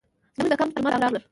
زموږ د کمپ جومات ته راغلل.